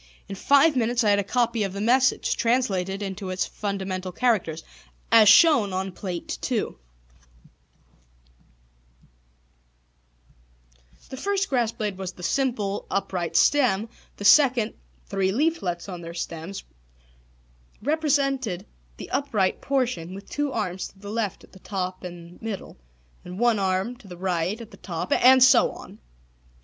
In five minutes I had a copy of the message, translated into its fundamental characters, as shown on Plate II. [Illustration: Plate I] The first grass blade was the simple, upright stem; the second, three leaflets on their stem, represented the upright portion with two arms to the left at the top and middle, and one arm to the right at the top; and so on.